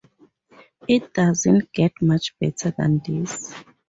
It doesn't get much better than this.